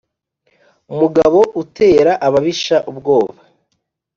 mugabo utera ababisha ubwoba